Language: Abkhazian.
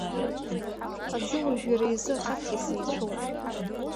Аӡы уажә иара изы ахы аҵкыс еицәоуп.